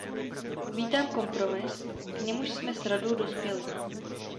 Vítám kompromis, k němuž jsme s Radou dospěli.